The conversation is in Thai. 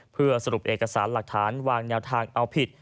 เพื่อสรุปเอกสารหลักฐานวางแนวทางเอาผิด